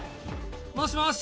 もしもし！